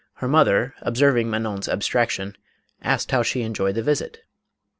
Her mother, observing Manon's abstraction, asked how she enjoyed the visit?